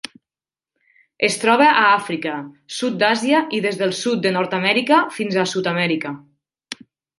Es troba a Àfrica, sud d'Àsia i des del sud de Nord-amèrica fins a Sud-amèrica.